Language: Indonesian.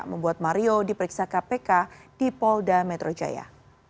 membuat mario diperiksa kpk di polda metro jaya